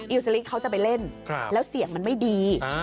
สลิกเขาจะไปเล่นแล้วเสียงมันไม่ดี